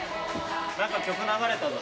何か曲流れた。